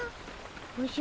おじゃ？